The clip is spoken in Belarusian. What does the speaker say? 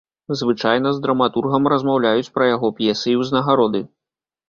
Звычайна з драматургам размаўляюць пра яго п'есы і ўзнагароды.